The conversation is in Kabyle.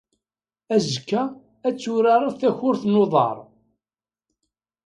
Azekka, ad turared takurt n uḍar.